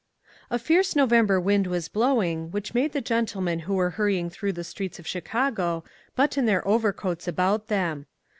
A FIERCE November wind was blowing, which made the gentlemen who were hurrying through the streets of Chicago, button their overcoats about them.